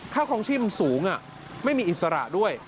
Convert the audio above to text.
ข้าวคล้องชีพมันสูงอะไม่มีอิสละด้วย